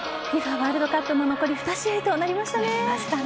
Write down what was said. ワールドカップも残り２試合となりましたね。